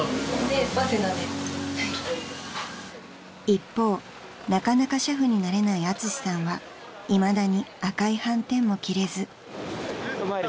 ［一方なかなか俥夫になれないアツシさんはいまだに赤いはんてんも着れず］